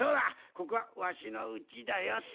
ここはわしのうちだよっと。